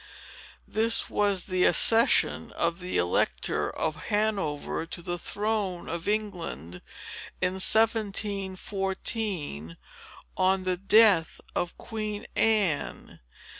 This was the accession of the Elector of Hanover to the throne of England, in 1714, on the death of Queen Anne.